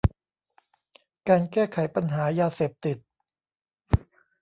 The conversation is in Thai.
การแก้ไขปัญหายาเสพติด